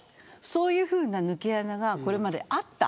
そういうふうな抜け穴がこれまであった。